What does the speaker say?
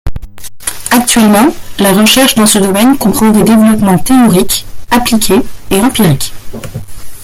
Actuellement, la recherche dans ce domaine comprend des développements théoriques, appliqués et empiriques.